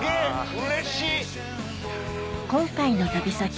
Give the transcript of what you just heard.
うれしい！